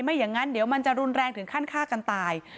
อย่างนั้นเดี๋ยวมันจะรุนแรงถึงขั้นฆ่ากันตาย